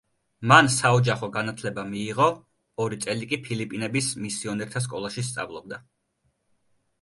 მან საოჯახო განათლება მიიღო, ორი წელი კი ფილიპინების მისიონერთა სკოლაში სწავლობდა.